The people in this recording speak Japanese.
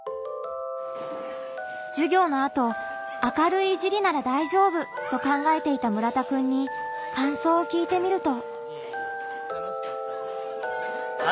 授業のあと「明るいいじりなら大丈夫」と考えていた村田くんにかんそうを聞いてみると。